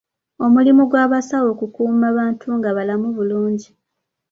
Omulimu gw’abasawo kukuuma bantu nga balamu bulungi.